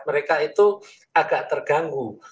mereka itu agak terganggu